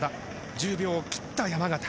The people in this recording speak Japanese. １０秒を切った山縣。